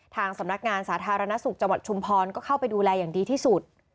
ทางสำนักงานสาธารณสุขจังหวัดชุมพรก็เข้าไปดูแลอย่างดีที่สุด